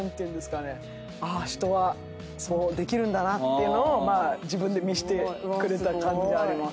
人はそうできるんだなっていうのを自分で見せてくれた感じありますよね。